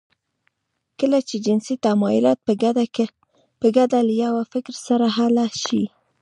کله چې جنسي تمايلات په ګډه له يوه فکر سره حل شي.